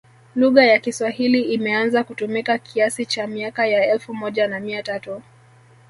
Lugha ya kiswahili imeanza kutumika kiasi cha miaka ya elfu moja na mia tatu